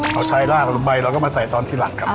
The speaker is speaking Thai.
ขาวชายรากไบร้เราก็มาใส่ตอนที่หลังครับอ่า